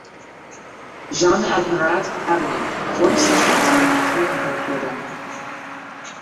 Jean Admirat avenue, forty-six thousand and three hundred Gourdon.